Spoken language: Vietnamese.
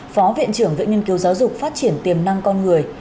phó viện trưởng viện nghiên cứu giáo dục phát triển tiềm năng con người